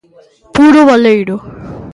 Puro baleiro.